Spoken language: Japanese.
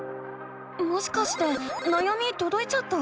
もしかしてなやみとどいちゃった？